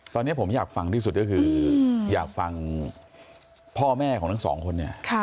ตอนนี้ผมอยากฟังที่สุดก็คืออยากฟังพ่อแม่ของทั้งสองคนเนี่ย